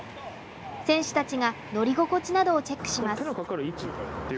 選手たちが乗り心地などをチェックします。